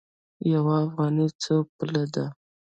یوه افغانۍ څو پوله ده؟